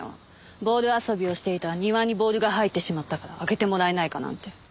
ボール遊びをしていたら庭にボールが入ってしまったから開けてもらえないかなんて。